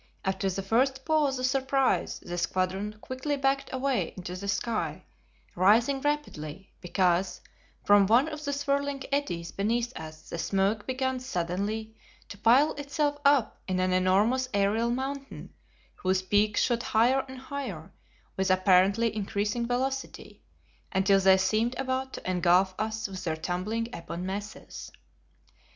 After the first pause of surprise the squadron quickly backed away into the sky, rising rapidly, because, from one of the swirling eddies beneath us the smoke began suddenly to pile itself up in an enormous aerial mountain, whose peaks shot higher and higher, with apparently increasing velocity, until they seemed about to engulf us with their tumbling ebon masses.